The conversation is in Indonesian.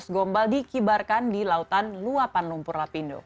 tiga ratus gombal dikibarkan di lautan luapan lumpur lapindo